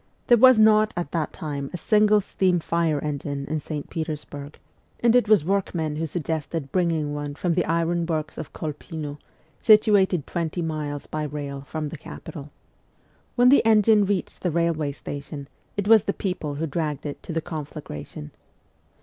There was not, at that time, a single steam fire engine in St. 186 MEMOIRS OF A REVOLUTIONIST Petersburg, and it was workmen who suggested bring ing one from the iron works of Kolpino, situated twenty miles by rail from the capital. When the engine reached the railway station, it was the people who dragged it to the conflagration.